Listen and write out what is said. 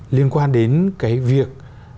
liên quan đến việc